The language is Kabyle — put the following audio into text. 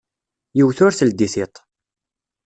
Yiwet ur teldi tiṭ.